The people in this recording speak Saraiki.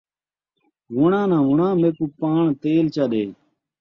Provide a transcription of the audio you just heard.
وُݨاں ناں وُݨاں ، میکوں پاݨ تیل چا ݙے